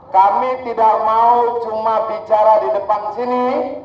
kami tidak mau cuma bicara di depan sini